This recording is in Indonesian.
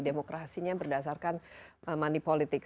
demokrasinya berdasarkan money politics